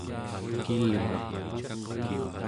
kilgaq